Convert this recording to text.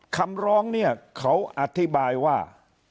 คำร้องเขาอธิบายว่า